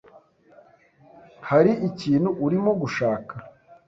Hari ikintu urimo gushaka?